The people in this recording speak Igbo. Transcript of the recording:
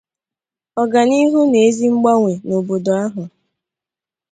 ọganihu na ezi mgbanwè n'obodo ahụ.